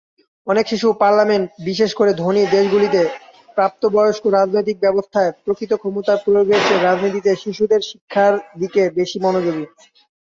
অনেক শিশু পার্লামেন্ট, বিশেষ করে ধনী দেশগুলিতে, প্রাপ্তবয়স্ক রাজনৈতিক ব্যবস্থায় প্রকৃত ক্ষমতার প্রয়োগের চেয়ে রাজনীতিতে শিশুদের শিক্ষার দিকে বেশি মনোযোগী।